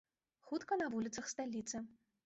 Хутка на вуліцах сталіцы.